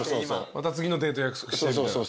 また次のデート約束してみたいな。